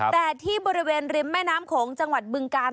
แต่ที่บริเวณริมแม่น้ำโขงจังหวัดบึงกาล